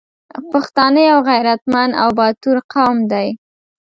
پښتانه یو غریتمند او باتور قوم دی